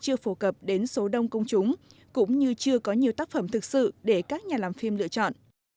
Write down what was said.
truyện tranh việt nam chưa phổ cập đến số đông công chúng cũng như chưa có nhiều tác phẩm thực sự để các nhà làm phim lựa chọn